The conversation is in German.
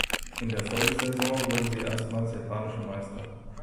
In der Folgesaison wurden sie erstmals japanische Meister.